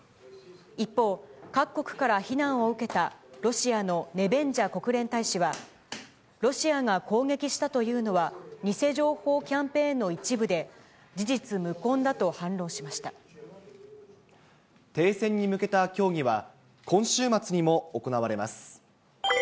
一方、各国から非難を受けたロシアのネベンジャ国連大使は、ロシアが攻撃したというのは偽情報キャンペーンの一部で、事実無停戦に向けた協議は、今週末にも行われます。